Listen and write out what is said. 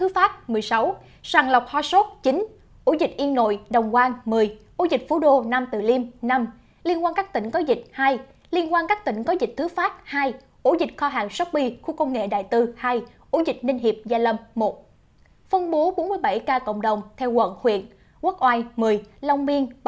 phân bố bốn mươi bảy ca cộng đồng theo chùm